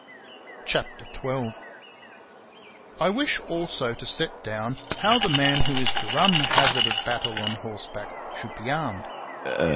CHAPTER XII. I WISH also to set down how the man who is to run the hazard of battle on horse back should be armed.